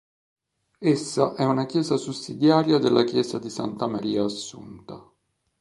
Essa è una chiesa sussidiaria della chiesa di Santa Maria Assunta.